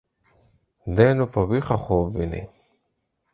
دى نو په ويښه خوب ويني.